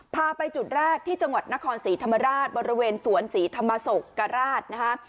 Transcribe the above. พาไปจุดแรกที่จังหวัดนครศรีธรรมราชบริเวณสวนศรีธรรมศกราชนะคะ